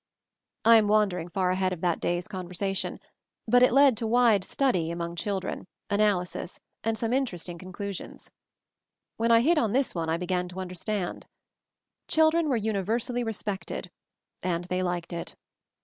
I am wandering far ahead of that day's conversation, but it led to wide study among 204 MOVING THE MOUNTAIN children, analysis, and some interesting con clusions. When I hit on this one I began to understand. Children were universally re spected, and they liked it.